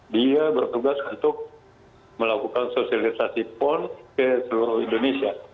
dia bertugas untuk melakukan sosialisasi pon ke seluruh indonesia